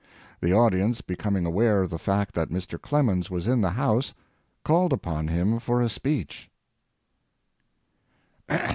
The audience becoming aware of the fact that Mr. Clemens was in the house called upon him for a speech.